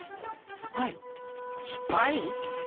スパイ⁉シ！